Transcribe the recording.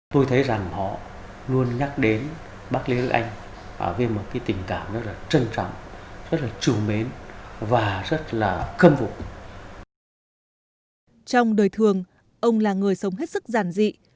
trong đời thường ông là người sống hết sức giản dị